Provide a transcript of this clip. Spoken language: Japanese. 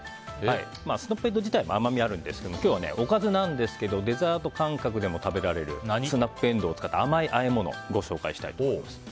スナップエンドウ自体も甘みがあるんですが、今日はおかずなんですがデザート感覚でも食べられるスナップエンドウを使った甘いあえ物をご紹介します。